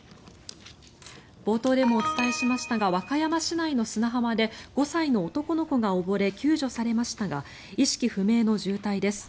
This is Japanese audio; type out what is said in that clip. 冒頭でもお伝えしましたが和歌山市内の砂浜で５歳の男の子が溺れ救助されましたが意識不明の重体です。